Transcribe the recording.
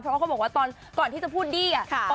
เพราะเกิดบอกก่อนที่จะพูดดี